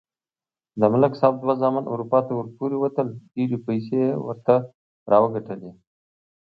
د ملک صاحب دوه زامن اروپا ته پورې وتل. ډېرې پیسې یې ورته راوگټلې.